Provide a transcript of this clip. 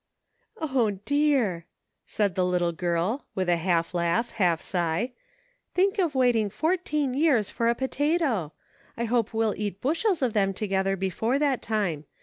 " O, dear !" said the little girl, with a half laugh, half sigh. " Think of waiting fourteen years for a potato ! I hope we'll eat bushels of them together before that time.